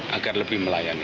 agar lebih melayani